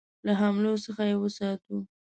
له حملو څخه یې وساتو.